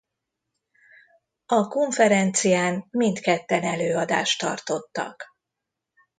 A konferencián mindketten előadást tartottak.